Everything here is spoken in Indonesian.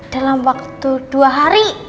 dalam waktu dua hari